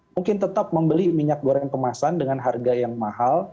mungkin tetap membeli minyak goreng kemasan dengan harga yang mahal